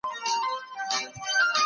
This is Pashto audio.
هغه د واده سويو خلګو ارقام هم درلودل.